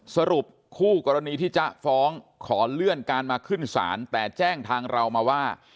สรุปคู่กรณีที่จะฟ้องขอเลื่อนการมาขึ้นศาลแต่แจ้งทางเรามาว่า